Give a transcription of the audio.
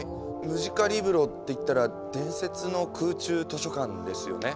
ムジカリブロっていったら伝説の空中図書館ですよね。